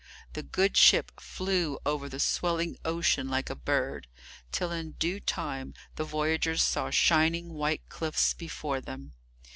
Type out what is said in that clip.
The good ship flew over the swelling ocean like a bird, till in due time the voyagers saw shining white cliffs before them.